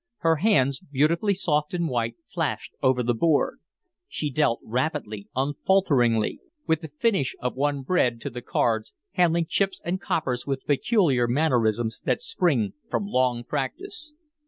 Her hands, beautifully soft and white, flashed over the board. She dealt rapidly, unfalteringly, with the finish of one bred to the cards, handling chips and coppers with the peculiar mannerisms that spring from long practice.